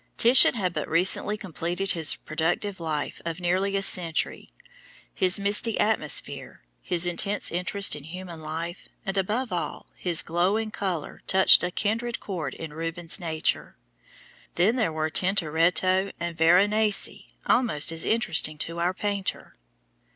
Titian had but recently completed his productive life of nearly a century. His misty atmosphere, his intense interest in human life and, above all, his glowing color touched a kindred cord in Rubens' nature. Then there were Tintoretto and Veronese, almost as interesting to our painter.